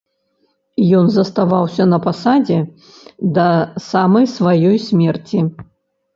Ён заставаўся на пасадзе да самай сваёй смерці.